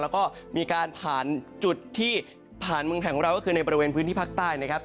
แล้วก็มีการผ่านจุดที่ผ่านเมืองไทยของเราก็คือในบริเวณพื้นที่ภาคใต้นะครับ